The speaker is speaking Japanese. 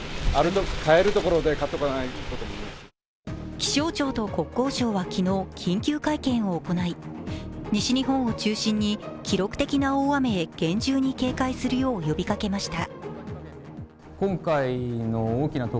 気象庁と国交省は昨日、緊急会見を行い、西日本を中心に記録的な大雨へ厳重に警戒するよう呼びかけました。